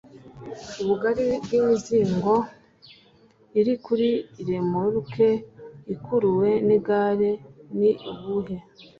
ubugari bw’imizigo irikuri remoruke ikuruwe n’igare ni ubuhe